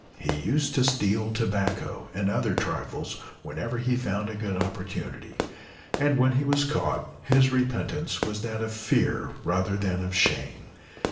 He used to steal tobacco and other trifles whenever he found a good opportunity, and when he was caught his repentance was that of fear rather than of shame.